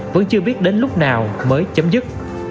vẫn chưa biết đến lúc nào mới chấm dứt